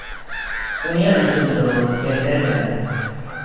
ᱩᱱᱤᱭᱟᱜ ᱧᱩᱛᱩᱢ ᱫᱚ ᱠᱮᱱᱰᱮᱨ ᱠᱟᱱᱟ᱾